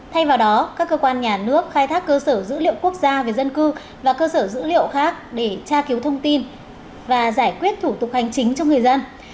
thay vào đó các cơ quan nhà nước khai thác cơ sở dữ liệu quốc gia về dân cư và cơ sở dữ liệu khác để tra cứu thông tin và giải quyết thủ tục hành chính cho người dân